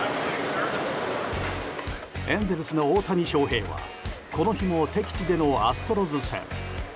エンゼルスの大谷翔平はこの日も敵地でのアストロズ戦。